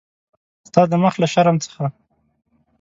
ستا د مخ له شرم څخه.